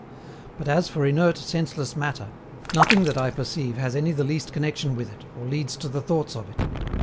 But, as for inert, senseless Matter, nothing that I perceive has any the least connexion with it, or leads to the thoughts of it.